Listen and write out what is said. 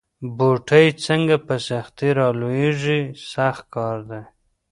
بوټی څنګه په سختۍ را لویېږي سخت کار دی.